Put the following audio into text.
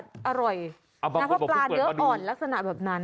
เพราะว่าปลาเนื้ออ่อนลักษณะแบบนั้น